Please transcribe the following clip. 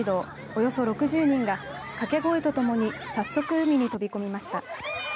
およそ６０人が掛け声とともに早速、海に飛び込みました。